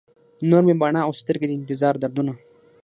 نور مې باڼه او سترګي، د انتظار دردونه